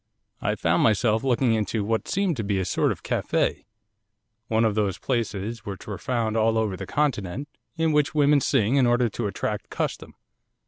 I found myself looking into what seemed to be a sort of café, one of those places which are found all over the Continent, in which women sing in order to attract custom.